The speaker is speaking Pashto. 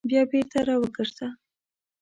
بیا بېرته راوګرځه !